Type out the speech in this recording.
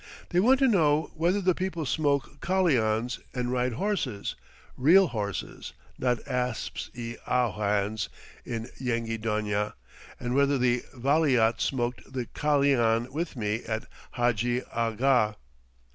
They want to know whether the people smoke kalians and ride horses real horses, not asps i awhans in Yenghi Donia, and whether the Valiat smoked the kalian with me at Hadji Agha.